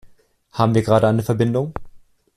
Haben wir gerade eine Verbindung?